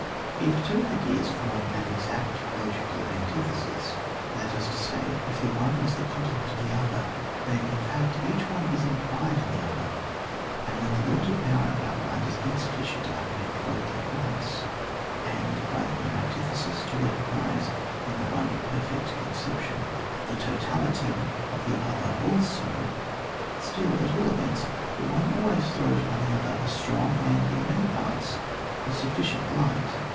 If two ideas form an exact logical anti thesis, that is to say if the one is the com plement of the other, then, in fact, each one is implied in the other ; and when the limited power of our mind is insufficient to apprehend both at once, and, by the mere antithesis, to recognise in the one perfect conception the totality of the other also, still, at all events, the one always throws on the other a strong, and in many parts a sufficient light.